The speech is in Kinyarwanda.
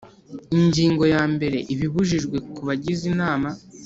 Ingingo ya mbere Ibibujijwe ku bagize Inama